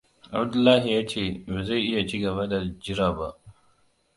Abdullahi ya ce ba zai iya ci gaba da jira ba.